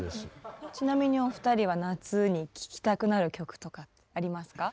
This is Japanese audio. ちなみにお二人は夏に聴きたくなる曲とかありますか？